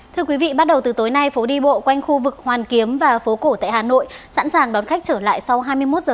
thưa quý vị bắt đầu từ tối nay phố đi bộ quanh khu vực hoàn kiếm và phố cổ tại hà nội sẵn sàng đón khách trở lại sau hai mươi một h